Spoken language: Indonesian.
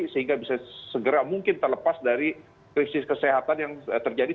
sehingga bisa segera mungkin terlepas dari krisis kesehatan yang terjadi